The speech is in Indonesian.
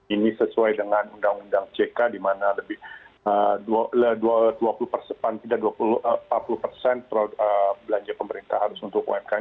ini sesuai dengan undang undang ck di mana lebih dari empat puluh persen belanja pemerintah harus untuk umkm